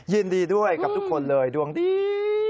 ยินดีด้วยกับทุกคนเลยดวงดี